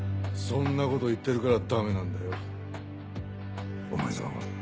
そんなこと言ってるからだめなんだよお前さんは。